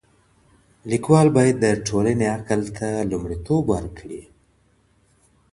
ليکوال بايد د ټولني عقل ته لومړيتوب ورکړي.